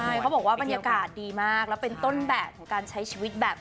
ใช่เขาบอกว่าบรรยากาศดีมากแล้วเป็นต้นแบบของการใช้ชีวิตแบบ